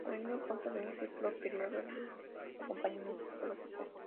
A menudo, consta de un cierto período de acompañamiento psicológico.